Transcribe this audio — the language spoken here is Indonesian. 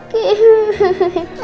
aku tau pun ma